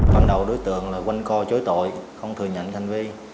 ban đầu đối tượng là quanh co chối tội không thừa nhận hành vi